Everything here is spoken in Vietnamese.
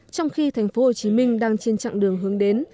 trong khi tp hcm đang trên chặng đường hướng đến